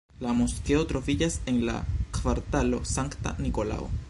La moskeo troviĝas en la kvartalo Sankta Nikolao.